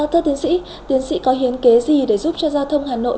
thưa tiến sĩ tiến sĩ có hiến kế gì để giúp cho giao thông hà nội